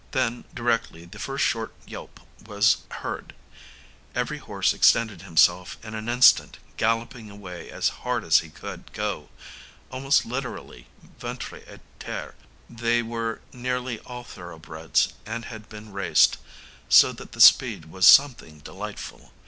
Then, directly the first short yelp was heard, every horse extended himself in an instant, galloping away as hard as he could go, almost literally ventre ├Ā terre. They were nearly all thoroughbreds, and had been raced, so that the speed was something delightful.